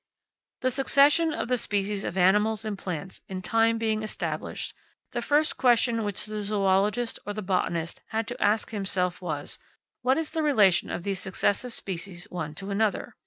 The succession of the species of animals and plants in time being established, the first question which the zoologist or the botanist had to ask himself was, What is the relation of these successive species one to another?